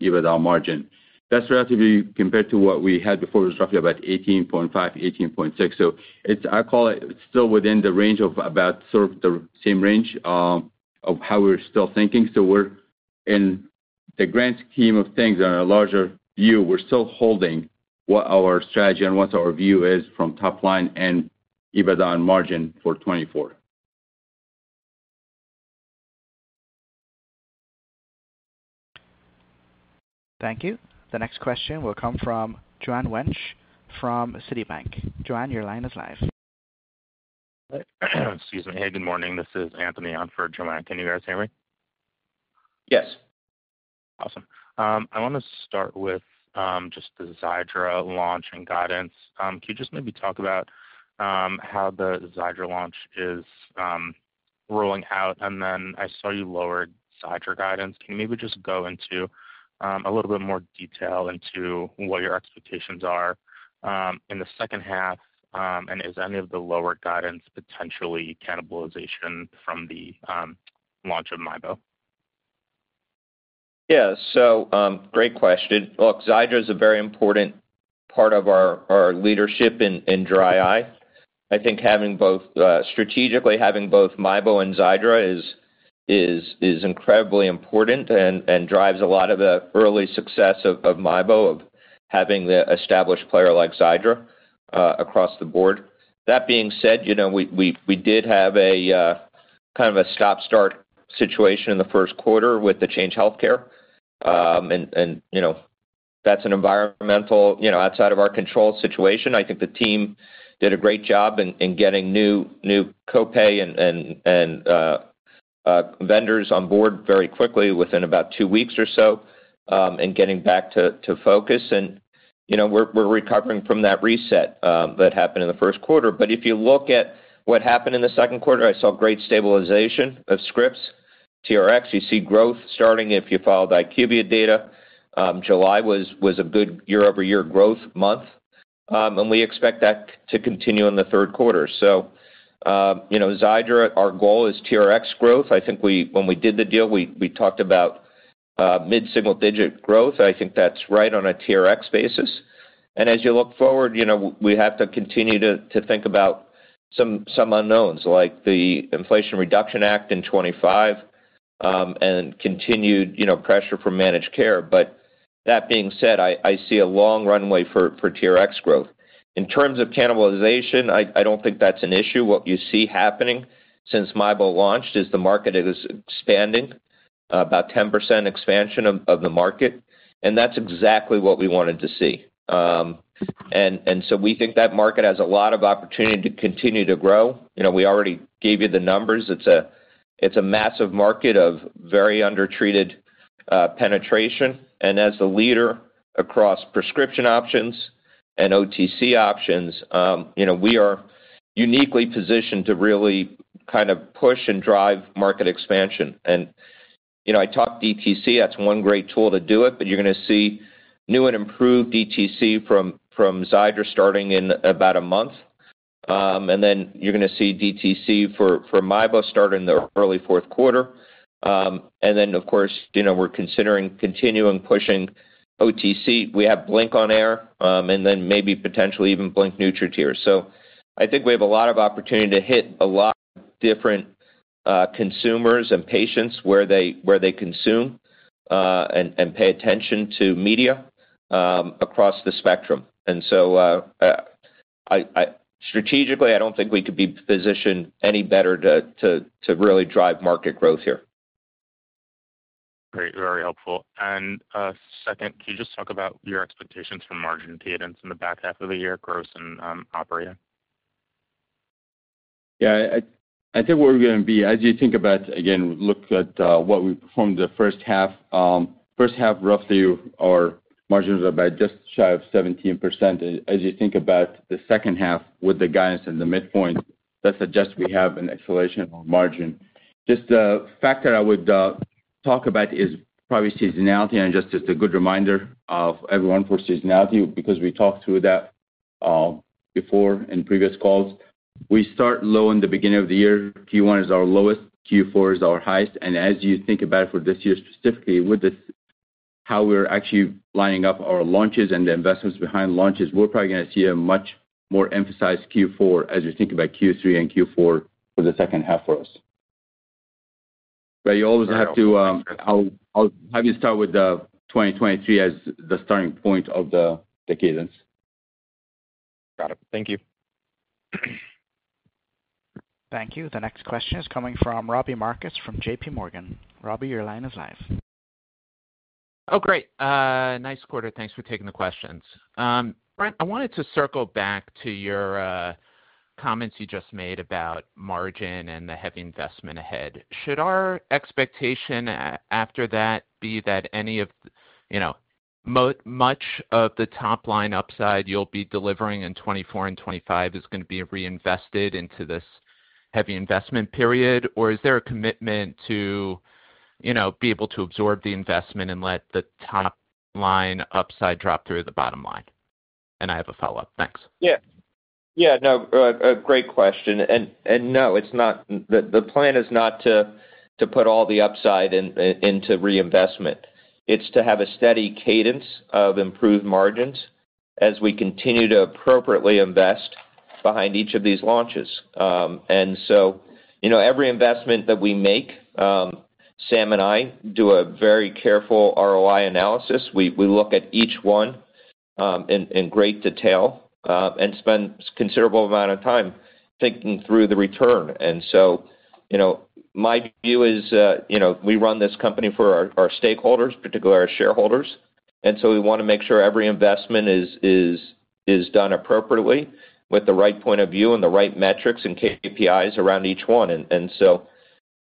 EBITDA margin. That's relatively, compared to what we had before, it was roughly about 18.5, 18.6. So it's, I call it, still within the range of about, sort of the same range, of how we're still thinking. So we're... In the grand scheme of things and our larger view, we're still holding what our strategy and what our view is from top line and EBITDA and margin for 2024. Thank you. The next question will come from Joanne Wuensch from Citibank. Joanne, your line is live. Excuse me. Hey, good morning, this is Anthony on for Joanne. Can you guys hear me? Yes. Awesome. I wanna start with just the Xiidra launch and guidance. Can you just maybe talk about how the Xiidra launch is rolling out? And then I saw you lowered Xiidra guidance. Can you maybe just go into a little bit more detail into what your expectations are in the second half, and is any of the lower guidance potentially cannibalization from the launch of MIEBO? Yeah. So, great question. Look, Xiidra is a very important part of our leadership in dry eye. I think having both, strategically having both MIEBO and Xiidra is incredibly important and drives a lot of the early success of MIEBO, of having the established player like Xiidra across the board. That being said, you know, we did have a kind of a stop-start situation in the first quarter with the Change Healthcare. And, you know, that's an environmental, you know, outside of our control situation. I think the team did a great job in getting new co-pay and vendors on board very quickly, within about two weeks or so, and getting back to focus. You know, we're recovering from that reset that happened in the first quarter. But if you look at what happened in the second quarter, I saw great stabilization of scripts. TRX, you see growth starting. If you followed IQVIA data, July was a good year-over-year growth month, and we expect that to continue in the third quarter. So, you know, Xiidra, our goal is TRX growth. I think. When we did the deal, we talked about mid-single-digit growth. I think that's right on a TRX basis. And as you look forward, you know, we have to continue to think about some unknowns, like the Inflation Reduction Act in 2025, and continued pressure from managed care. But that being said, I see a long runway for TRX growth. In terms of cannibalization, I, I don't think that's an issue. What you see happening since MIEBO launched is the market is expanding, about 10% expansion of, of the market, and that's exactly what we wanted to see. And so we think that market has a lot of opportunity to continue to grow. You know, we already gave you the numbers. It's a massive market of very undertreated penetration. And as the leader across prescription options and OTC options, you know, we are uniquely positioned to really kind of push and drive market expansion. And, you know, I talked DTC, that's one great tool to do it, but you're gonna see new and improved DTC from Xiidra starting in about a month. And then you're gonna see DTC for MIEBO start in the early fourth quarter. And then, of course, you know, we're considering continuing pushing OTC. We have Blink on air, and then maybe potentially even Blink NutriTears. So I think we have a lot of opportunity to hit a lot of different consumers and patients where they, where they consume, and pay attention to media across the spectrum. And so, I strategically, I don't think we could be positioned any better to really drive market growth here. Great, very helpful. And, second, can you just talk about your expectations for margin cadence in the back half of the year, gross and, operating? Yeah, I, I think where we're gonna be, as you think about, again, look at what we performed in the first half. First half, roughly, our margins are about just shy of 17%. As you think about the second half with the guidance and the midpoint, that suggests we have an acceleration on margin. Just the factor I would talk about is probably seasonality and just as a good reminder of everyone for seasonality, because we talked through that before in previous calls. We start low in the beginning of the year. Q1 is our lowest, Q4 is our highest. As you think about it for this year, specifically, with how we're actually lining up our launches and the investments behind launches, we're probably gonna see a much more emphasized Q4 as you think about Q3 and Q4 for the second half for us. You always have to. I'll have you start with 2023 as the starting point of the cadence. Got it. Thank you. Thank you. The next question is coming from Robbie Marcus from J.P. Morgan. Robbie, your line is live. Oh, great. Nice quarter. Thanks for taking the questions. Brent, I wanted to circle back to your comments you just made about margin and the heavy investment ahead. Should our expectation after that be that any of, you know, much of the top line upside you'll be delivering in 2024 and 2025 is gonna be reinvested into this heavy investment period? Or is there a commitment to, you know, be able to absorb the investment and let the top line upside drop through the bottom line? And I have a follow-up. Thanks. Yeah. Yeah, no, a great question. And no, it's not—the plan is not to put all the upside into reinvestment. It's to have a steady cadence of improved margins as we continue to appropriately invest behind each of these launches. And so, you know, every investment that we make, Sam and I do a very careful ROI analysis. We look at each one, in great detail, and spend considerable amount of time thinking through the return. And so, you know, my view is, you know, we run this company for our stakeholders, particularly our shareholders, and so we wanna make sure every investment is done appropriately with the right point of view and the right metrics and KPIs around each one. And so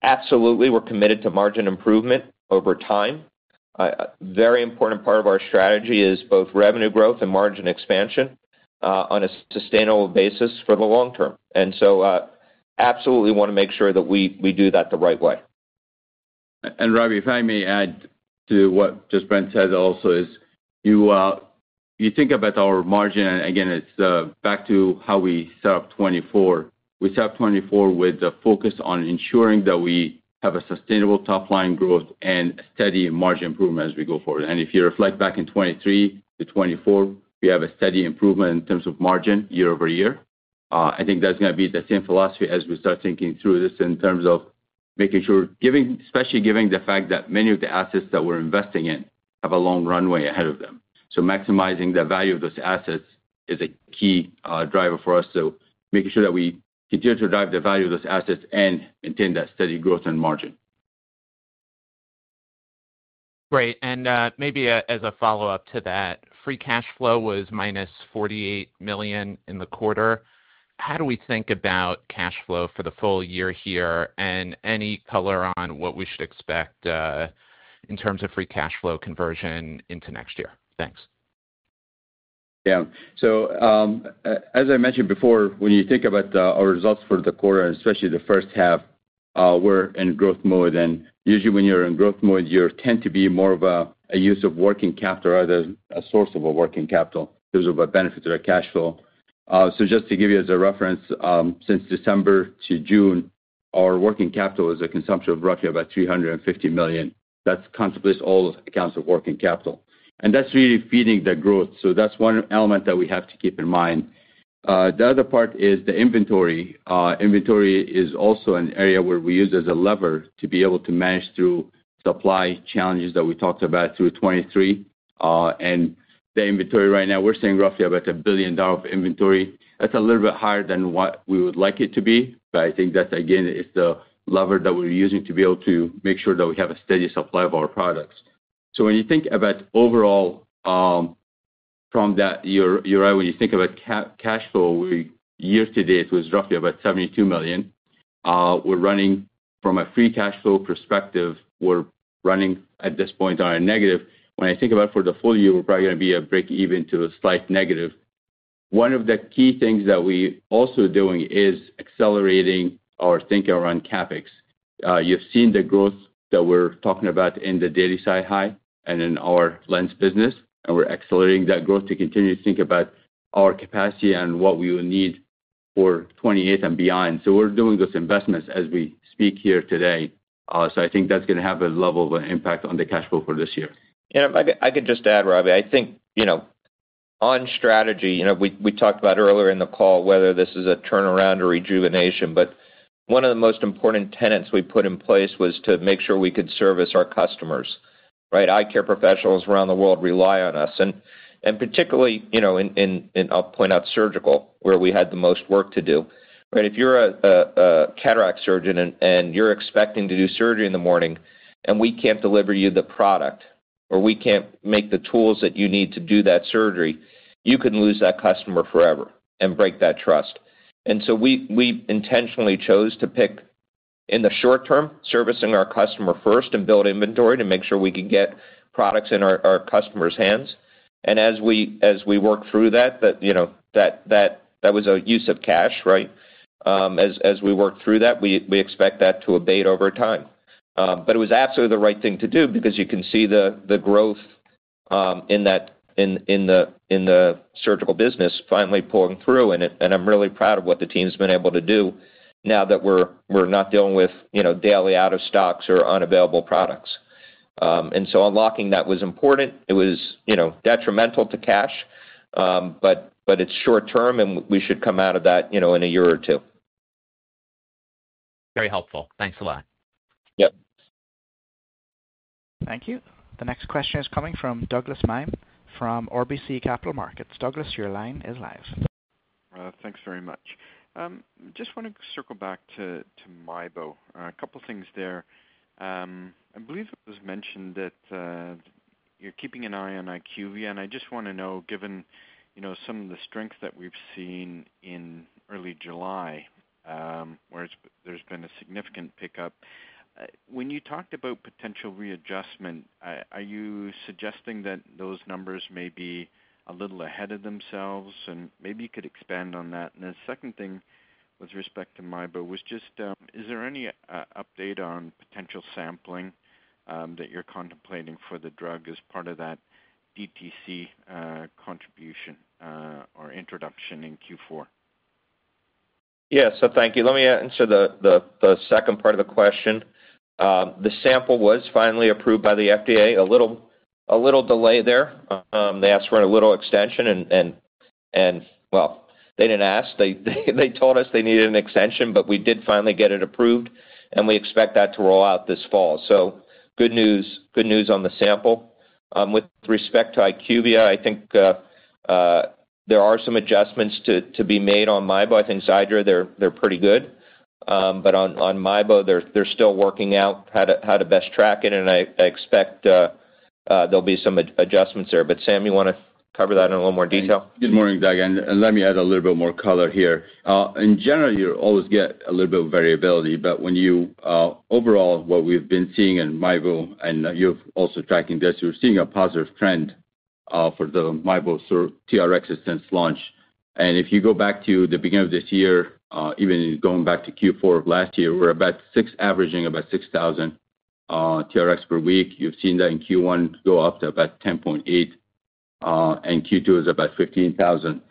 absolutely, we're committed to margin improvement over time. A very important part of our strategy is both revenue growth and margin expansion, on a sustainable basis for the long term. And so, absolutely wanna make sure that we do that the right way. Robbie, if I may add to what just Brent said also, as you think about our margin, and again, it's back to how we set up 2024. We set up 2024 with the focus on ensuring that we have a sustainable top line growth and steady margin improvement as we go forward. If you reflect back in 2023 to 2024, we have a steady improvement in terms of margin year-over-year. I think that's gonna be the same philosophy as we start thinking through this in terms of making sure, especially given the fact that many of the assets that we're investing in have a long runway ahead of them. So maximizing the value of those assets is a key driver for us. Making sure that we continue to drive the value of those assets and maintain that steady growth and margin. Great. And, maybe, as a follow-up to that, free cash flow was -$48 million in the quarter. How do we think about cash flow for the full year here? And any color on what we should expect, in terms of free cash flow conversion into next year? Thanks. Yeah. So, as I mentioned before, when you think about, our results for the quarter, and especially the first half, we're in growth mode. Usually when you're in growth mode, you tend to be more of a, a use of working capital rather than a source of a working capital, in terms of a benefit to the cash flow. So just to give you as a reference, since December to June, our working capital is a consumption of roughly about $350 million. That contemplates all accounts of working capital, and that's really feeding the growth. So that's one element that we have to keep in mind. The other part is the inventory. Inventory is also an area where we use as a lever to be able to manage through supply challenges that we talked about through 2023. And the inventory right now, we're seeing roughly about $1 billion of inventory. That's a little bit higher than what we would like it to be, but I think that, again, is the lever that we're using to be able to make sure that we have a steady supply of our products. So when you think about overall, from that, you're right. When you think about cash flow, we year-to-date was roughly about $72 million. We're running from a free cash flow perspective, we're running at this point on a negative. When I think about for the full year, we're probably gonna be a breakeven to a slight negative. One of the key things that we also doing is accelerating our thinking around CapEx. You've seen the growth that we're talking about in the daily SiHy and in our lens business, and we're accelerating that growth to continue to think about our capacity and what we will need for 2028 and beyond. So we're doing those investments as we speak here today. So I think that's gonna have a level of impact on the cash flow for this year. Yeah, if I could, I could just add, Robbie, I think, you know, on strategy, you know, we, we talked about earlier in the call whether this is a turnaround or rejuvenation, but one of the most important tenets we put in place was to make sure we could service our customers, right? Eye care professionals around the world rely on us, and, and particularly, you know, in, in, and I'll point out surgical, where we had the most work to do. But if you're a, a, a cataract surgeon and, and you're expecting to do surgery in the morning, and we can't deliver you the product, or we can't make the tools that you need to do that surgery, you can lose that customer forever and break that trust. And so we intentionally chose to pick, in the short term, servicing our customer first and build inventory to make sure we could get products in our customers' hands. And as we work through that, you know, that was a use of cash, right? As we work through that, we expect that to abate over time. But it was absolutely the right thing to do because you can see the growth in that, in the surgical business finally pulling through, and it and I'm really proud of what the team's been able to do now that we're not dealing with, you know, daily out of stocks or unavailable products. And so unlocking that was important. It was, you know, detrimental to cash, but, but it's short term, and we should come out of that, you know, in a year or two. Very helpful. Thanks a lot. Yep. Thank you. The next question is coming from Douglas Miehm, from RBC Capital Markets. Douglas, your line is live. Thanks very much. Just want to circle back to MIEBO. A couple things there. I believe it was mentioned that you're keeping an eye on IQVIA, and I just want to know, given, you know, some of the strength that we've seen in early July, where it's, there's been a significant pickup. When you talked about potential readjustment, are you suggesting that those numbers may be a little ahead of themselves? And maybe you could expand on that. And the second thing with respect to MIEBO was just, is there any update on potential sampling that you're contemplating for the drug as part of that DTC contribution or introduction in Q4? Yeah. So thank you. Let me answer the second part of the question. The sample was finally approved by the FDA, a little delay there. They asked for a little extension and, well, they didn't ask. They told us they needed an extension, but we did finally get it approved, and we expect that to roll out this fall. So good news. Good news on the sample. With respect to IQVIA, I think there are some adjustments to be made on MIEBO. I think Xiidra, they're pretty good. But on MIEBO, they're still working out how to best track it, and I expect there'll be some adjustments there. But Sam, you want to cover that in a little more detail? Good morning, Doug, and let me add a little bit more color here. In general, you always get a little bit of variability, but when you overall, what we've been seeing in MIEBO, and you're also tracking this, we're seeing a positive trend for the MIEBO sort of TRX since launch. And if you go back to the beginning of this year, even going back to Q4 of last year, we're averaging about 6,000 TRXs per week. You've seen that in Q1 go up to about 10.8, and Q2 is about 15,000.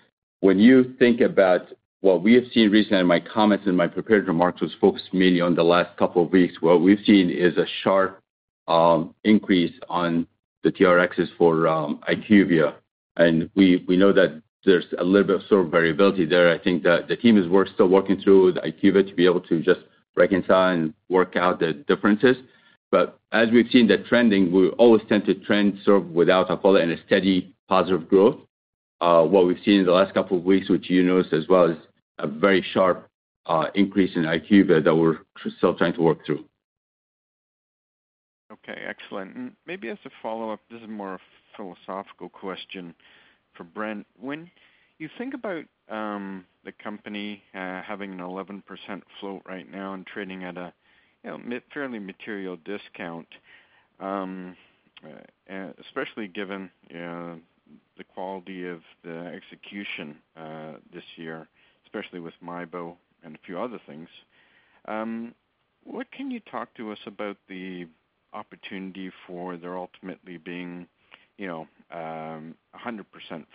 When you think about what we have seen recently, and my comments and my prepared remarks was focused mainly on the last couple of weeks, what we've seen is a sharp increase on the TRXs for IQVIA, and we know that there's a little bit of sort of variability there. I think the team is still working through the IQVIA to be able to just reconcile and work out the differences. But as we've seen the trending, we always tend to trend sort of without a follow and a steady positive growth. What we've seen in the last couple of weeks, which you noticed as well, is a very sharp increase in IQVIA that we're still trying to work through. Okay, excellent. Maybe as a follow-up, this is more a philosophical question for Brent. When you think about the company having an 11% float right now and trading at a, you know, mid- fairly material discount, especially given the quality of the execution this year, especially with MIEBO and a few other things, what can you talk to us about the opportunity for there ultimately being, you know, a 100%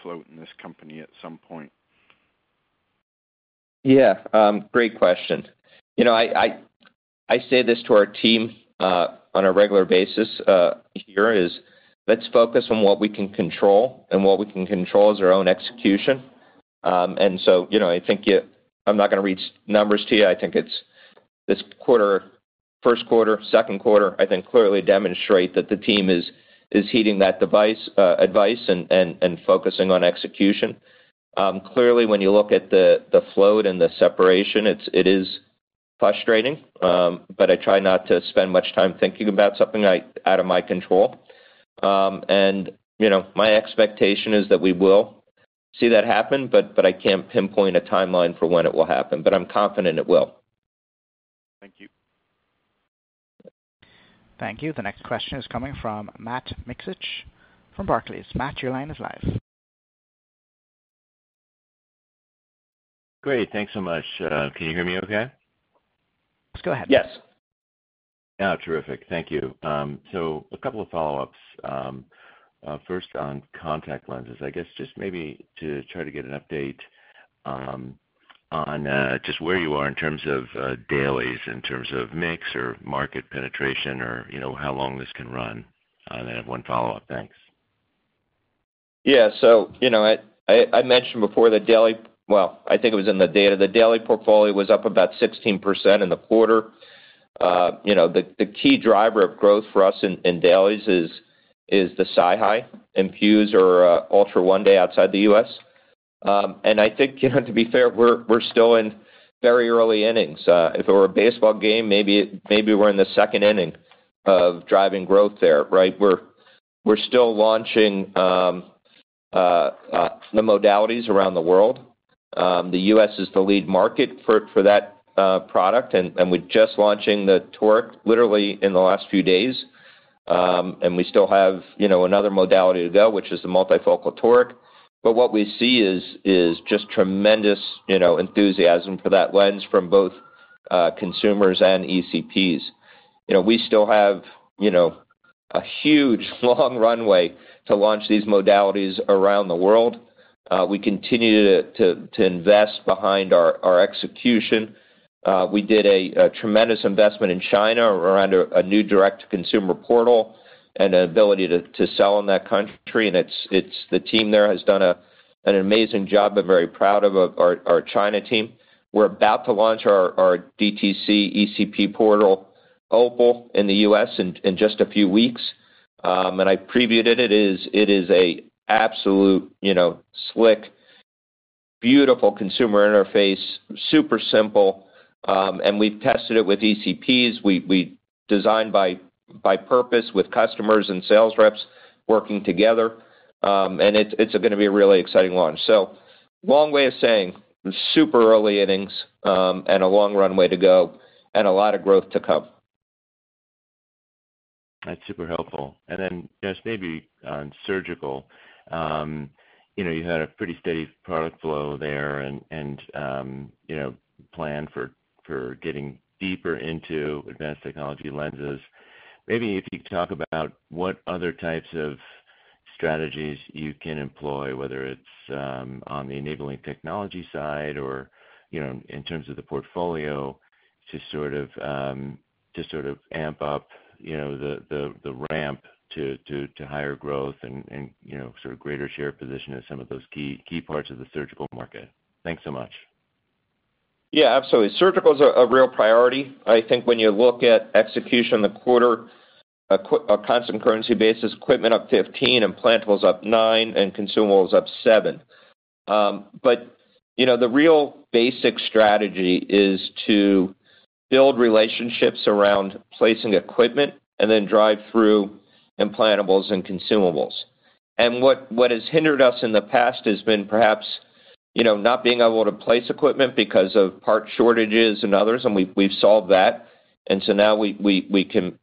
float in this company at some point? Yeah, great question. You know, I say this to our team on a regular basis, here is: Let's focus on what we can control, and what we can control is our own execution. And so, you know, I think I'm not gonna read numbers to you. I think it's this quarter, first quarter, second quarter, I think clearly demonstrate that the team is heeding that advice, and focusing on execution. Clearly, when you look at the float and the separation, it is frustrating, but I try not to spend much time thinking about something out of my control. And, you know, my expectation is that we will see that happen, but I can't pinpoint a timeline for when it will happen, but I'm confident it will. Thank you. Thank you. The next question is coming from Matt Miksich from Barclays. Matt, your line is live. Great. Thanks so much. Can you hear me okay? Go ahead. Yes. Oh, terrific. Thank you. So a couple of follow-ups. First, on contact lenses. I guess just maybe to try to get an update, on, just where you are in terms of, dailies, in terms of mix or market penetration or, you know, how long this can run, then I have one follow-up. Thanks. Yeah. So, you know, I mentioned before that daily... Well, I think it was in the data. The daily portfolio was up about 16% in the quarter. You know, the key driver of growth for us in dailies is the SiHy INFUSE or Ultra One Day outside the US. And I think, you know, to be fair, we're still in very early innings. If it were a baseball game, maybe we're in the second inning of driving growth there, right? We're still launching the modalities around the world. The US is the lead market for that product, and we're just launching the Toric, literally, in the last few days. And we still have, you know, another modality to go, which is the multifocal Toric. But what we see is just tremendous, you know, enthusiasm for that lens from both consumers and ECPs. You know, we still have, you know, a huge, long runway to launch these modalities around the world. We continue to invest behind our execution. We did a tremendous investment in China around a new direct-to-consumer portal and an ability to sell in that country. And it's the team there has done an amazing job. I'm very proud of our China team. We're about to launch our DTC ECP portal, Opal, in the U.S. in just a few weeks. And I previewed it. It is an absolute, you know, slick, beautiful consumer interface, super simple, and we've tested it with ECPs. We designed by purpose with customers and sales reps working together. It's gonna be a really exciting launch. So long way of saying, super early innings, and a long runway to go and a lot of growth to come. That's super helpful. And then just maybe on surgical, you know, you had a pretty steady product flow there and, you know, plan for getting deeper into advanced technology lenses. Maybe if you could talk about what other types of strategies you can employ, whether it's on the enabling technology side or, you know, in terms of the portfolio, to sort of amp up, you know, the ramp to higher growth and, you know, sort of greater share position in some of those key parts of the surgical market. Thanks so much. Yeah, absolutely. Surgical is a real priority. I think when you look at execution in the quarter, a constant currency basis, equipment up 15, implantables up 9, and consumables up 7. But, you know, the real basic strategy is to build relationships around placing equipment and then drive through implantables and consumables. And what has hindered us in the past has been perhaps, you know, not being able to place equipment because of part shortages and others, and we've solved that. And so now we can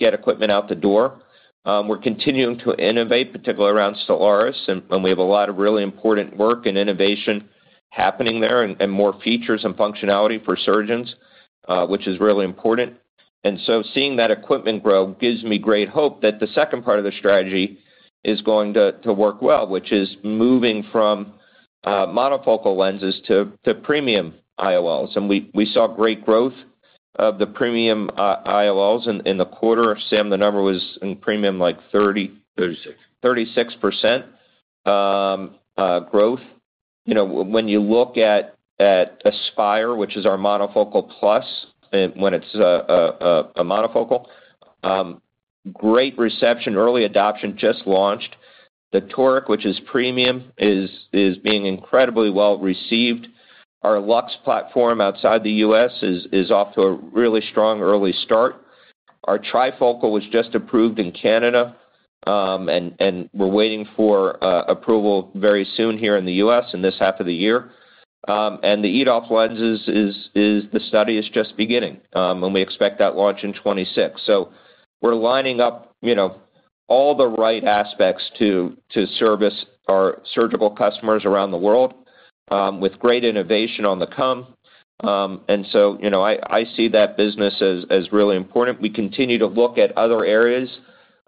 get equipment out the door. We're continuing to innovate, particularly around Stellaris, and we have a lot of really important work and innovation happening there and more features and functionality for surgeons, which is really important. And so seeing that equipment grow gives me great hope that the second part of the strategy is going to to work well, which is moving from monofocal lenses to premium IOLs. And we saw great growth of the premium IOLs in the quarter. Sam, the number was in premium, like 30- Thirty-six. 36% growth. You know, when you look at Aspire, which is our monofocal plus, when it's a monofocal, great reception, early adoption, just launched. The Toric, which is premium, is being incredibly well-received. Our Lux platform outside the US is off to a really strong early start. Our trifocal was just approved in Canada, and we're waiting for approval very soon here in the US, in this half of the year. And the EDOF lenses is the study is just beginning, and we expect that launch in 2026. So we're lining up, you know, all the right aspects to service our surgical customers around the world, with great innovation on the come. And so, you know, I see that business as really important. We continue to look at other areas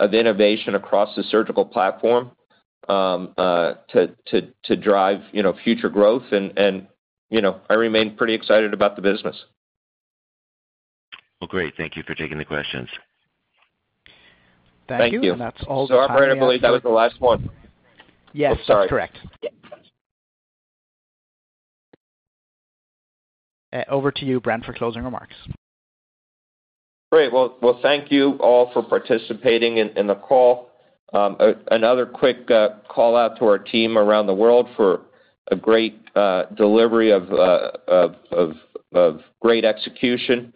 of innovation across the surgical platform, to drive, you know, future growth. You know, I remain pretty excited about the business. Well, great. Thank you for taking the questions. Thank you. Thank you, and that's all the time we have. I believe that was the last one. Yes, that's correct. Sorry. Yeah. Over to you, Brent, for closing remarks. Great. Well, thank you all for participating in the call. Another quick call-out to our team around the world for a great delivery of great execution,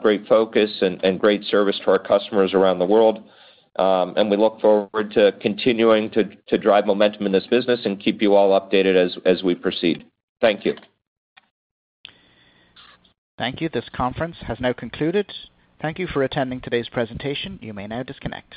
great focus, and great service to our customers around the world. And we look forward to continuing to drive momentum in this business and keep you all updated as we proceed. Thank you. Thank you. This conference has now concluded. Thank you for attending today's presentation. You may now disconnect.